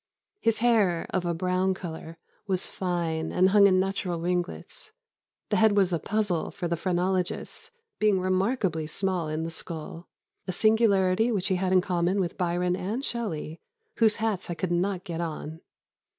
His hair, of a brown colour, was fine, and hung in natural ringlets. The head was a puzzle for the phrenologists, being remarkably small in the skull a singularity which he had in common with Byron and Shelley, whose hats I could not get on.